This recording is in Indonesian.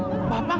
masa siang mah